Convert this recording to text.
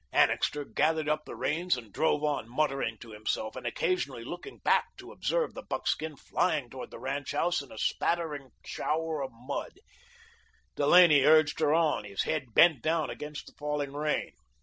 Annixter gathered up the reins and drove on muttering to himself, and occasionally looking back to observe the buckskin flying toward the ranch house in a spattering shower of mud, Delaney urging her on, his head bent down against the falling rain.